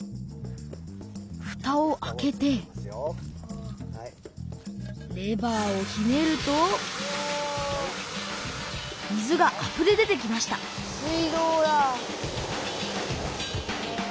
ふたを開けてレバーをひねると水があふれ出てきました水道だ。